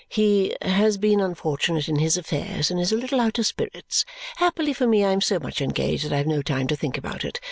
"He has been unfortunate in his affairs and is a little out of spirits. Happily for me, I am so much engaged that I have no time to think about it.